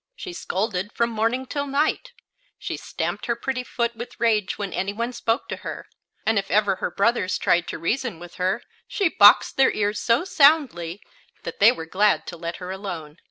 She scolded from morning till night; she stamped her pretty foot with rage when any one spoke to her; and if ever her brothers tried to reason with her she boxed their ears so soundly that they were glad to let her alone.